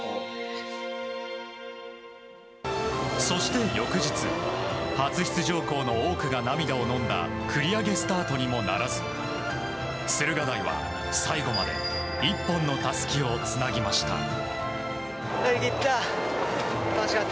そして翌日初出場校の多くが涙をのんだ繰り上げスタートにもならず駿河台は最後まで一本のたすきをつなぎました。